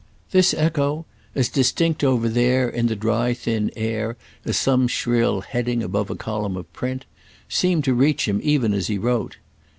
This echo—as distinct over there in the dry thin air as some shrill "heading" above a column of print—seemed to reach him even as he wrote.